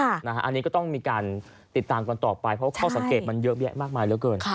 อันนี้ก็ต้องมีการติดตามกันต่อไปเพราะข้อสังเกตมันเยอะแยะมากมายเหลือเกิน